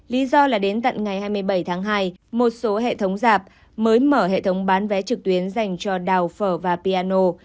lý do là đến tận ngày hai mươi bảy tháng hai một số hệ thống rạp mới mở hệ thống bán vé trực tuyến dành cho đào phở và piano